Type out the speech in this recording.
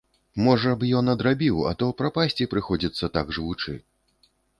Можа б, ён адрабіў, а то прапасці прыходзіцца, так жывучы.